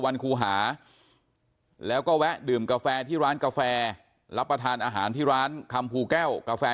ครูหาแล้วก็แวะดื่มกาแฟที่ร้านกาแฟรับประทานอาหารที่ร้านคำภูแก้วกาแฟ